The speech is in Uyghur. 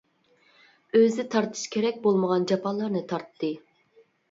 ئۆزى تارتىش كېرەك بولمىغان جاپالارنى تارتتى.